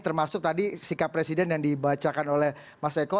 termasuk tadi sikap presiden yang dibacakan oleh mas eko